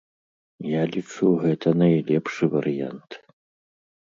Я лічу, гэта найлепшы варыянт.